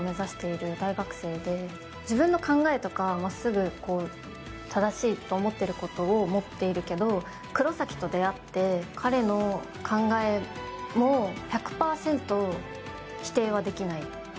自分の考えとかはすぐ正しいと思っていることを持っているけど、黒崎と出会って、彼の考えも１００％否定はできない。